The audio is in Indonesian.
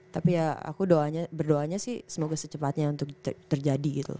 tapi ya aku berdoanya sih semoga secepatnya untuk terjadi gitu